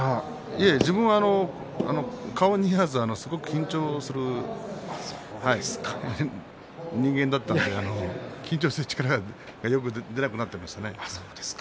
いえ、自分は顔に似合わず非常に緊張する人間だったので力が出なくなっていましたね。